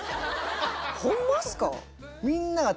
ホンマっすか？